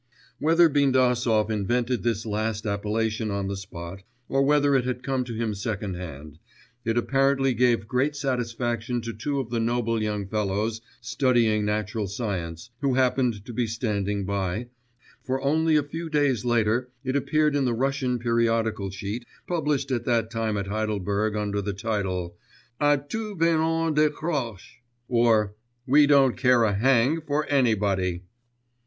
Whether Bindasov invented this last appellation on the spot, or whether it had come to him second hand, it apparently gave great satisfaction to two of the noble young fellows studying natural science, who happened to be standing by, for only a few days later it appeared in the Russian periodical sheet, published at that time at Heidelberg under the title: A tout venant je crache! or, 'We don't care a hang for anybody!